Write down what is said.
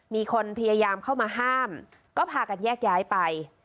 มีคนพยายามเข้ามาห้ามก็พากันแยกย้ายไป